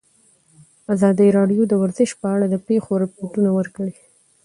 ازادي راډیو د ورزش په اړه د پېښو رپوټونه ورکړي.